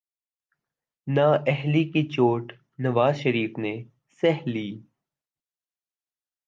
نااہلی کی چوٹ نواز شریف نے سہہ لی۔